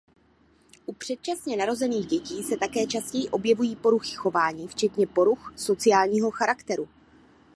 U předčasně narozených dětí se také častěji objevují poruchy chování včetně poruch sociálního charakteru.